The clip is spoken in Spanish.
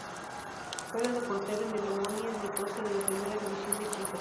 Juega de portero en el Omonia Nicosia de la Primera División de Chipre.